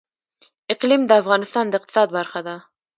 اقلیم د افغانستان د اقتصاد برخه ده.